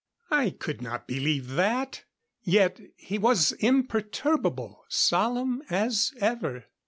I could not believe that; yet, he was imperturbable, solemn as ever.